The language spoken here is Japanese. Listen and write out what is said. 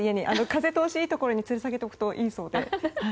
風通しがいいところにつり下げるといいそうで。